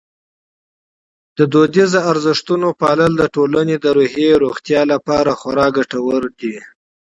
د فرهنګي ارزښتونو پالل د ټولنې د روحي روغتیا لپاره خورا ګټور دي.